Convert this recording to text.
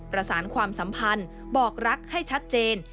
ประสานความสัมพันธ์บอกรักให้ชัดเจน